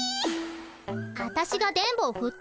あたしが電ボをふったって？